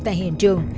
tại hiện trường